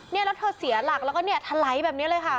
แล้วเธอเสียหลักแล้วก็ถลายแบบนี้เลยค่ะ